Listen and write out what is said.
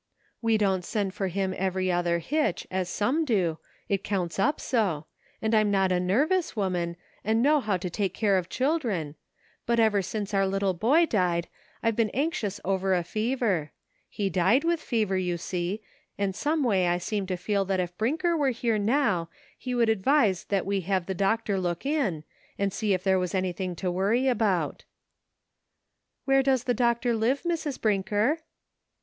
" We don't send for him every other hitch, as some do, it counts up so, and I'm not a nervous woman, and know how to take care of children, but ever since our little boy died I've been anxious over a fever ; he died with fever, you see, and some way I seem to feel that if Brinker were here now he would advise that we have the doctor look in and see if there was anything to worry about." "Where does the doctor live, Mrs. Brinker?"